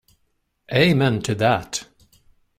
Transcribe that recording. Amen to that.